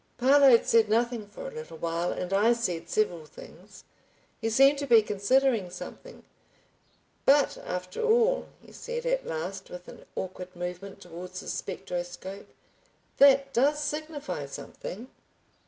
Parload said nothing for a little while and I said several things. He seemed to be considering something. "But, after all," he said at last, with an awkward movement towards his spectroscope, "that does signify something."